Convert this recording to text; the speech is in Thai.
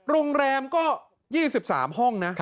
โรงแรมก็๒๓ห้องนะ